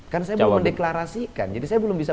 kan saya belum mendeklarasikan jadi saya belum bisa